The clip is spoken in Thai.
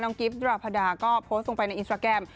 กิฟต์ดราพดาก็โพสต์ลงไปในอินสตราแกรม